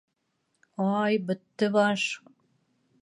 Ай, бөттө баш!